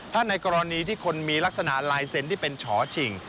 ถ้าในกรณีที่คนมีลักษณะลายเซ็นต์ที่เป็นฉอฉิง